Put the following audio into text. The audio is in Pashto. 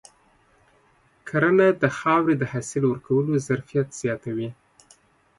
کرنه د خاورې د حاصل ورکولو ظرفیت زیاتوي.